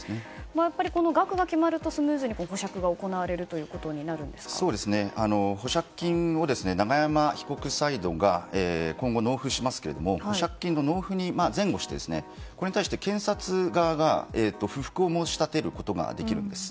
やっぱり額が決まるとスムーズに保釈が保釈金を永山被告サイドが今後、納付しますけども保釈金の納付に前後してこれに対して検察側が不服を申し立てることができるんです。